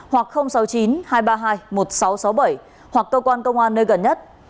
hoặc sáu mươi chín hai trăm ba mươi hai một nghìn sáu trăm sáu mươi bảy hoặc cơ quan công an nơi gần nhất